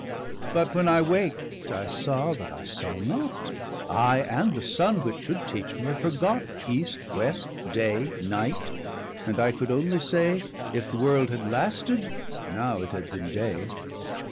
But when I wakt, I saw, that I saw not; I, and the Sunne, which should teach mee'had forgot East, West, Day, Night, and I could onely say, If'the world had lasted, now it had beene day.